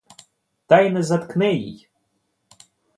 Та й не заткне їй.